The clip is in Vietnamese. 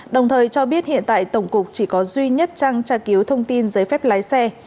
đồng thời cho biết hiện tại tổng cục chỉ có duy nhất trang tra cứu thông tin giấy phép lái xe